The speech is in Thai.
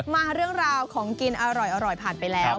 มาเรื่องราวของกินอร่อยผ่านไปแล้ว